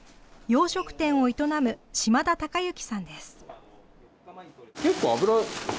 洋食店を営む島田孝之さんです。